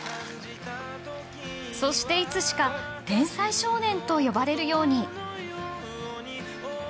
そしていつしか天才少年と呼ばれるように。